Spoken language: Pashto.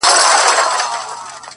راته ښكلا راوړي او ساه راكړي!